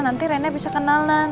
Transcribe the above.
nanti rena bisa kenalan